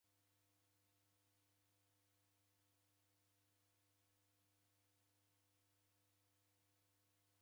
Nakunde nimanye agha malagho ghose daw'iaandika ghaw'ineng'ena cha hao?